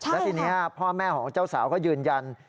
และทีนี้พ่อแม่ของเจ้าสาวก็ยืนยัน